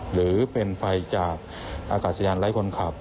หรือเป็นไฟจากอากาศยานไร้คนขับ